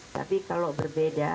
tapi kalau berbeda